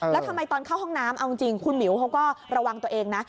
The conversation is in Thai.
แล้วทำไมตอนเข้าห้องน้ำเอาจริงคุณหมิวเขาก็ระวังตัวเองนะ